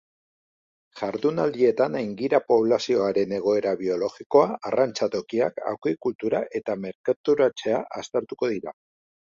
Jardunaldietan aingira poblazioaren egoera biologikoa, arrantza-tokiak, akuikultura eta merkaturatzea aztertuko dira.